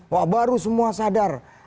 wah baru semua sadar